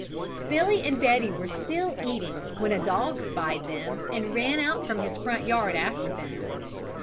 Billy and Betty were still eating when a dog spied them and ran out from his yard after them.